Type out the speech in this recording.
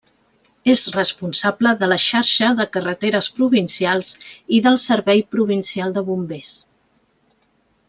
És responsable de la xarxa de carreteres provincials i del servei provincial de bombers.